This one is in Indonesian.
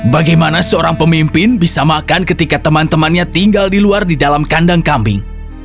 bagaimana seorang pemimpin bisa makan ketika teman temannya tinggal di luar di dalam kandang kambing